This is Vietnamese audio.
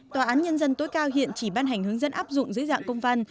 tòa án nhân dân tối cao hiện chỉ ban hành hướng dẫn áp dụng dưới dạng công văn